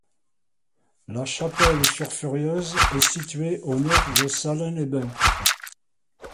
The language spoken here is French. La Chapelle-sur-Furieuse est situé au nord de Salins-les-Bains.